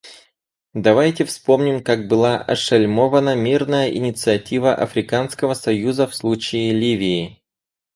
Давайте вспомним, как была ошельмована мирная инициатива Африканского союза в случае Ливии.